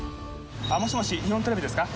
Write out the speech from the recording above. もしもし、日本テレビですか。